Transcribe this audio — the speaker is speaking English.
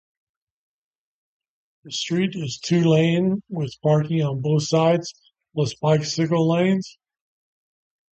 The street is two-lane with parking on both sides plus bicycle lanes.